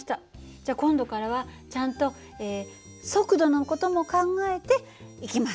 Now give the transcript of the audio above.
じゃ今度からはちゃんと速度の事も考えて行きます。